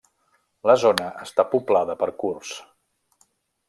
La zona està poblada per kurds.